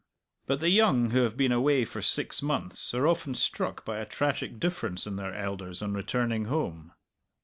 But the young who have been away for six months are often struck by a tragic difference in their elders on returning home.